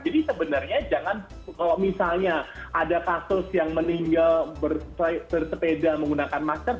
jadi sebenarnya jangan kalau misalnya ada kasus yang meninggal bersepeda menggunakan masker bukan karena maskernya